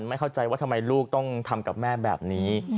ไม่เข้าใจว่าทำไมลูกต้องทำกับแม่แบบนี้